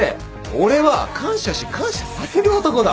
俺は感謝し感謝される男だ。